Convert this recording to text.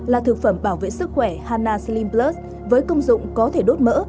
là thực phẩm bảo vệ sức khỏe hanna slim plus với công dụng có thể đốt mỡ